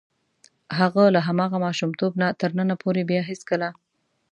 هغه له هماغه ماشومتوب نه تر ننه پورې بیا هېڅکله.